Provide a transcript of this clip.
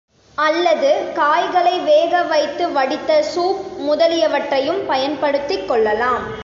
அல்லது காய்களை வேக வைத்து வடித்த சூப் முதலியவற்றையும் பயன்படுத்திக் கொள்ளலாம்.